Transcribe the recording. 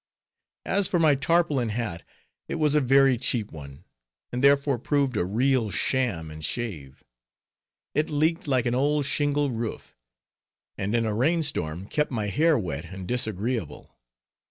As for my tarpaulin hat, it was a very cheap one; and therefore proved a real sham and shave; it leaked like an old shingle roof; and in a rain storm, kept my hair wet and disagreeable.